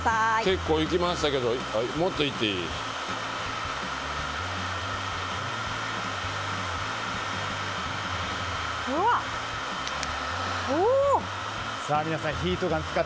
結構行きましたけどもっと行っていいのか。